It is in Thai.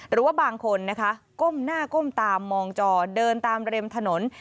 หรือว่าบางคนนะคะก้มหน้าก้มตามองจอเดินตามริมถนน